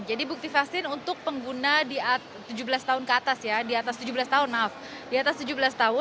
jadi bukti vaksin untuk pengguna tujuh belas tahun ke atas ya di atas tujuh belas tahun maaf